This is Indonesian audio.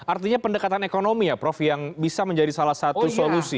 artinya pendekatan ekonomi ya prof yang bisa menjadi salah satu solusi